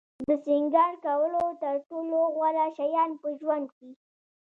د سینگار کولو تر ټولو غوره شیان په ژوند کې.